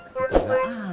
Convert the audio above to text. tapi nggak ada